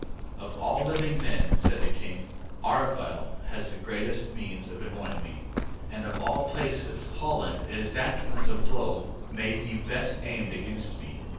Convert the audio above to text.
"Of all men living," said the King, "Argyle has the greatest means of annoying me; and of all places Holland is that whence a blow may be best aimed against me."